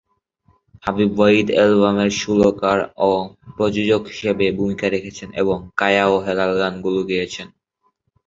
হাবিব ওয়াহিদ অ্যালবামের সুরকার ও প্রযোজক হিসাবে ভূমিকা রেখেছেন এবং কায়া ও হেলাল গানগুলো গেয়েছেন।